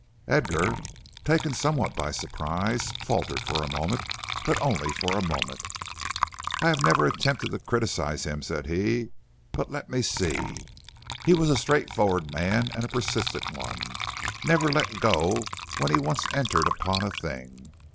Edgar, taken somewhat by surprise, faltered for a moment, but only for a moment. "I never have attempted to criticise him," said he; "but let me see; he was a straightforward man and a persistent one, never let go when he once entered upon a thing.